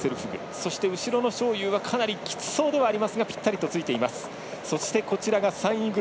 そして、後ろの章勇はかなりきつそうではありますがぴったりとついていきます。